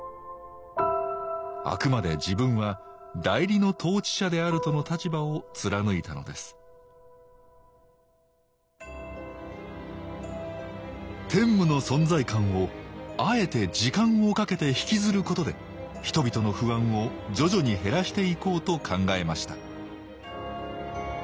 あくまで自分は代理の統治者であるとの立場を貫いたのです天武の存在感をあえて時間をかけてひきずることで人々の不安を徐々に減らしていこうと考えました